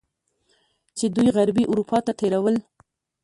چې دوی غربي اروپا ته تیرول.